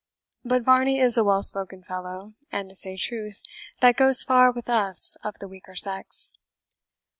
But Varney is a well spoken fellow, and, to say truth, that goes far with us of the weaker sex.